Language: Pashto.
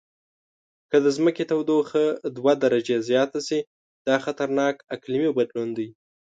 که د ځمکې تودوخه دوه درجې زیاته شي، دا خطرناک اقلیمي بدلون دی.